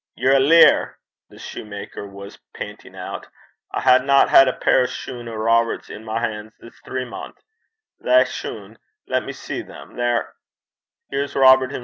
'Ye're a leear,' the soutar was panting out. 'I haena had a pair o' shune o' Robert's i' my han's this three month. Thae shune lat me see them they're Here's Robert himsel'.